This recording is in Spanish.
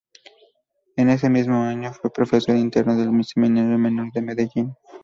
En ese mismo año fue profesor interno del seminario menor de Medellín.